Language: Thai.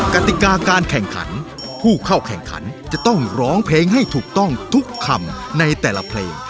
กติกาการแข่งขันผู้เข้าแข่งขันจะต้องร้องเพลงให้ถูกต้องทุกคำในแต่ละเพลง